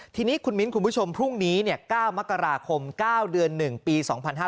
ทีนี้คุณมิ้นคุณผู้ชมพรุ่งนี้๙มกราคม๙เดือน๑ปี๒๕๕๙